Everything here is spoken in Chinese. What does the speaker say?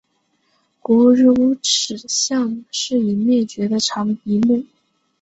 古乳齿象是已灭绝的长鼻目。